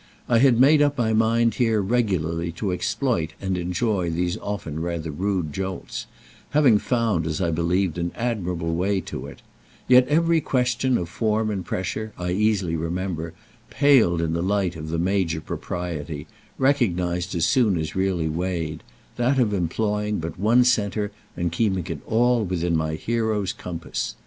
I had made up my mind here regularly to exploit and enjoy these often rather rude jolts—having found, as I believed an admirable way to it; yet every question of form and pressure, I easily remember, paled in the light of the major propriety, recognised as soon as really weighed; that of employing but one centre and keeping it all within my hero's compass.